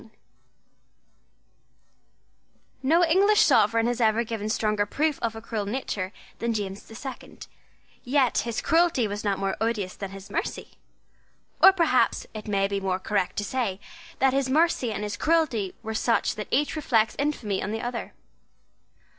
No English sovereign has ever given stronger proof of a cruel nature than James the Second. Yet his cruelty was not more odious than his mercy. Or perhaps it may be more correct to say that his mercy and his cruelty were such that each reflects infamy on the other.